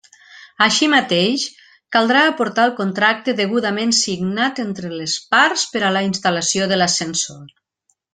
Així mateix, caldrà aportar el contracte degudament signat entre les parts per a la instal·lació de l'ascensor.